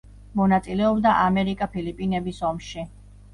მონაწილეობდა ამერიკა-ფილიპინების ომში.